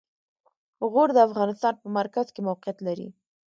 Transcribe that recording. غور د افغانستان په مرکز کې موقعیت لري.